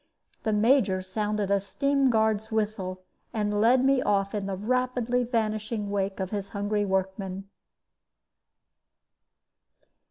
The Major sounded a steam guard's whistle, and led me off in the rapidly vanishing wake of his hungry workmen.